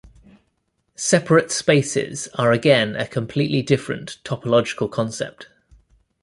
Separable spaces are again a completely different topological concept.